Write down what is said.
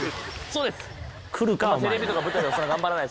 そうです。